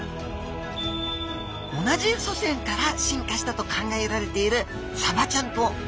同じ祖先から進化したと考えられているサバちゃんとマグロちゃん。